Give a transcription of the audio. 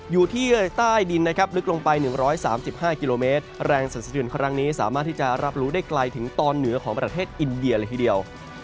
อยู่ที่ใต้ดินนะครับลึกลงไป๑๓๕กิโลเมตรแรงสันสะดือนครั้งนี้สามารถที่จะรับรู้ได้ไกลถึงตอนเหนือของประเทศอินเดียเลยทีเดียว